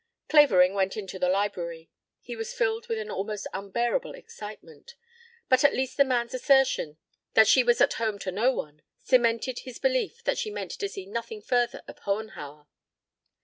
Clavering went into the library. He was filled with an almost unbearable excitement, but at least the man's assertion that she was at home to no one cemented his belief that she meant to see nothing further of Hohenhauer.